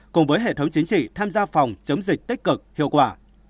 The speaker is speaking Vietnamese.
cùng với hệ thống chính trị tham gia phòng chống dịch tích cực hiệu quả